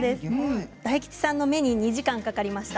大吉さんの目に２時間かかりました。